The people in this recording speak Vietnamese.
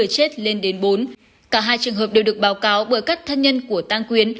cả hai trường hợp đều được báo cáo bởi các thân nhân của tăng quyến